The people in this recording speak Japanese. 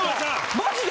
マジで！？